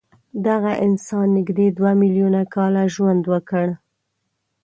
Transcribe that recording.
دغه انسان نږدې دوه میلیونه کاله ژوند وکړ.